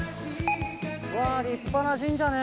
うわ立派な神社ね